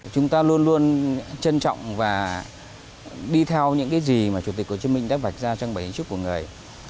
chúng ta luôn luôn trân trọng và đi theo những cái gì mà chủ tịch hồ chí minh đã vạch ra trang bảy di trúc của người